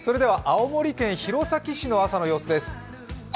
青森県弘前市の朝の様子です。